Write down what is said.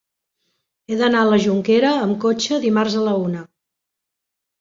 He d'anar a la Jonquera amb cotxe dimarts a la una.